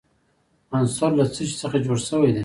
عنصر له څه شي څخه جوړ شوی دی.